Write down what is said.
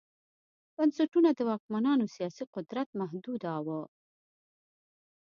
بنسټونه د واکمنانو سیاسي قدرت محدوداوه